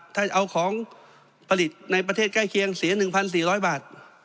ถ้าเอาของผลิตในประเทศใกล้เคียงเสียหนึ่งพันสี่ร้อยบาท